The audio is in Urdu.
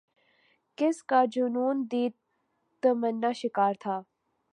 کس کا جنون دید تمنا شکار تھا